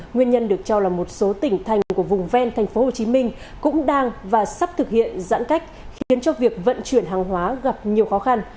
nguyên nhân được cho là một số tỉnh thành của vùng ven tp hcm cũng đang và sắp thực hiện giãn cách khiến cho việc vận chuyển hàng hóa gặp nhiều khó khăn